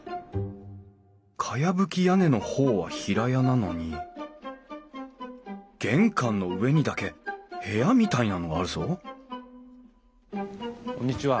かやぶき屋根の方は平屋なのに玄関の上にだけ部屋みたいなのがあるぞこんにちは。